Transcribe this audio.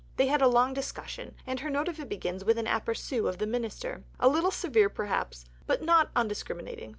They had a long discussion, and her note of it begins with an aperçu of the Minister a little severe, perhaps, but not undiscriminating.